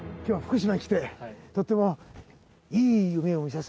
今日は福島に来てとても。